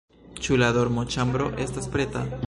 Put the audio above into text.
Ĉu la dormoĉambro estas preta?